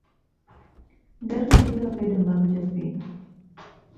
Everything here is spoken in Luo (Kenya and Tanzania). nderni biro bedo mag jopiny.